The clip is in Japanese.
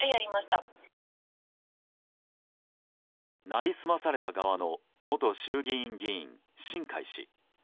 成り済まされた側の元衆議院議員・新開氏。